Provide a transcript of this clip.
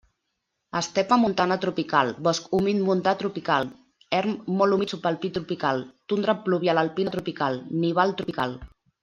Estepa montana tropical, bosc humit-montà tropical, erm molt humit-subalpí tropical, tundra pluvial-alpina tropical, nival tropical.